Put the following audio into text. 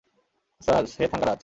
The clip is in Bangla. স্যার, সে থাঙ্গারাজ।